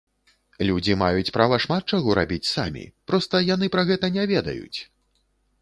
Людзі маюць права шмат чаго рабіць самі, проста яны пра гэта не ведаюць!